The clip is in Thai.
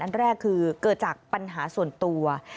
แรกคือเกิดจากปัญหาส่วนตัว